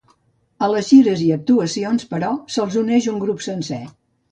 A les gires i actuacions, però, se’ls uneix un grup sencer.